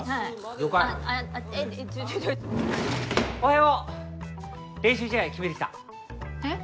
おはよう練習試合決めてきたえっ？